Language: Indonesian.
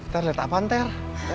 ter lihat apaan ter